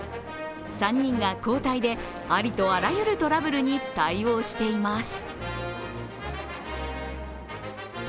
３人が交代でありとあらゆるトラブルに対応しています。